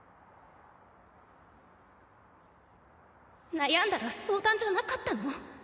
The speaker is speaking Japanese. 悩んだら相談じゃなかったの？